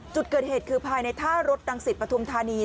จุดเกิดเหตุคือภายในท่ารถรังสิตปฐุมธานี